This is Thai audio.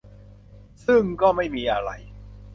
ซึ่งก็ไม่มีอะไร